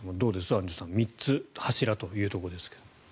アンジュさん３つ柱というところですが。